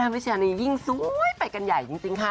วิชานียิ่งสวยไปกันใหญ่จริงค่ะ